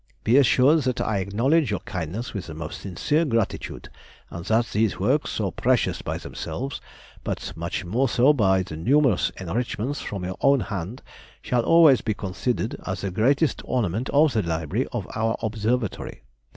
Be assured that I acknowledge your kindness with the most sincere gratitude, and that these works, so precious by themselves, but much more so by the numerous enrichments from your own hand, shall always be considered as the greatest ornament of the library of our Observatory.